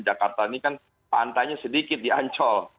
jakarta ini kan pantainya sedikit diancol